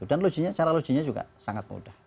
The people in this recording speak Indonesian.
dan cara ujinya juga sangat mudah